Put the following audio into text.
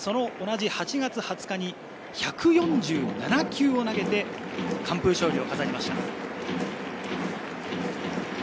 去年、その同じ８月２０日に１４７球を投げて完封勝利を飾りました。